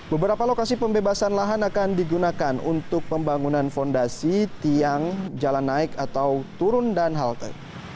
beberapa lokasi pembebasan lahan akan digunakan untuk pembangunan fondasi tiang jalan naik atau turun dan halte